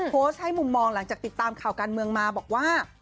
ให้มุมมองหลังจากติดตามข่าวการเมืองมาบอกว่า